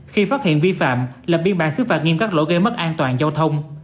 khi phát hiện vi phạm lập biên bản xứ phạt nghiêm các lỗi gây mất an toàn giao thông